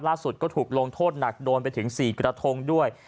ล่าสุดก็ถูกลงโทษหนักโดนไปถึง๔กระทงด้วย